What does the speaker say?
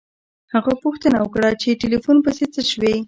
هغه پوښتنه وکړه چې د ټیلیفون پیسې څه شوې